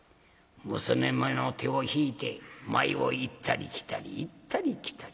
娘の手を引いて前を行ったり来たり行ったり来たり。